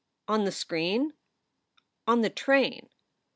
"Qn the screen?" "On the train."